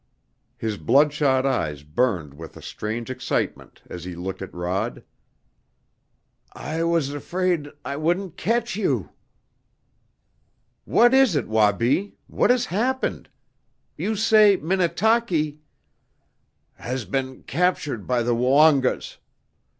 His bloodshot eyes burned with a strange excitement as he looked at Rod. "I was afraid I wouldn't catch you!" "What is it, Wabi? What has happened? You say Minnetaki " "Has been captured by the Woongas.